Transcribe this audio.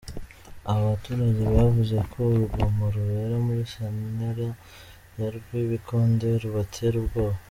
Aba baturage bavuga ko urugomo rubera muri Santere ya Rwibikonde rubatera ubwoba.